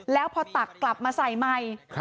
แล้วพอตักกลับมาใส่ใหม่